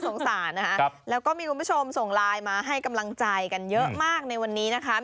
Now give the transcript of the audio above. สงสารนะคะแล้วก็มีคุณผู้ชมส่งไลน์มาให้กำลังใจกันเยอะมากในวันนี้นะคะ